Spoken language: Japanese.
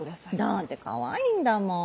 だってかわいいんだもん。